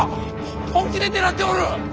本気で狙っておる！